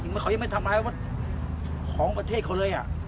ยังมันเขายังไม่ทำร้ายของประเทศเขาเลยอ่ะ